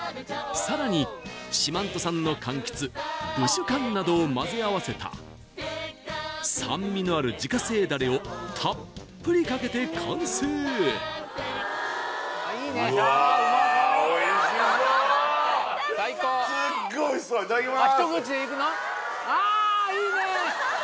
さらに四万十産の柑橘ぶしゅかんなどをまぜ合わせた酸味のある自家製ダレをたっぷりかけて完成すっごいおいしそういただきます